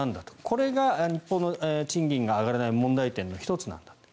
これが日本の賃金が上がらない問題点の１つだと。